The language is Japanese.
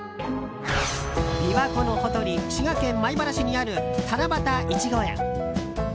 琵琶湖のほとり滋賀県米原市にある七夕いちご園。